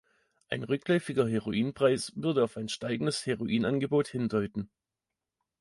Ein rückläufiger Heroinpreis würde auf ein steigendes Heroinangebot hindeuten.